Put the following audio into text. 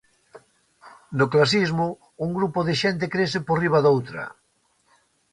No clasismo, un grupo de xente crese por riba doutra.